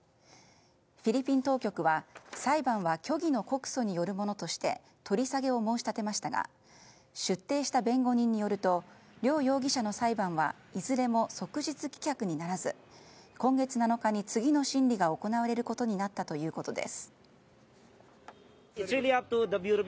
フィリピン当局は裁判は虚偽の告訴によるものとして取り下げを申し立てましたが出廷した弁護人によると両容疑者の裁判はいずれも即日棄却にならず今月７日に次の審理が行われることになったということです。